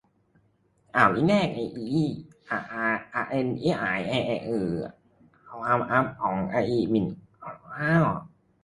ข่าวชิ้นแรกในซีรีส์ "ประเด็นที่หายไปในสื่อ" : ความลึกลับของคดีหมิ่นพระบรมเดชานุภาพ